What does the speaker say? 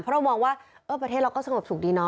เพราะเรามองว่าประเทศเราก็สงบสุขดีเนอ